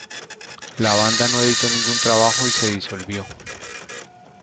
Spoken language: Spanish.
La banda no editó ningún trabajo y se disolvió.